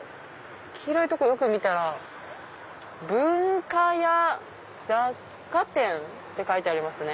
黄色い所よく見たら「文化屋雑貨店」って書いてありますね。